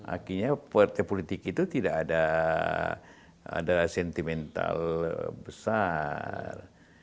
artinya partai politik itu tidak ada sentimental besar